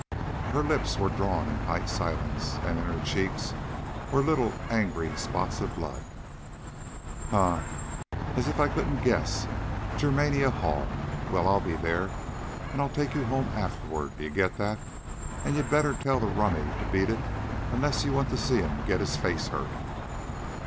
Her lips were drawn in tight silence, and in her cheeks were little angry spots of blood. "Huh! As if I couldn't guess! Germania Hall. Well, I'll be there, an' I'll take you home afterward. D'ye get that? An' you'd better tell the rummy to beat it unless you want to see'm get his face hurt."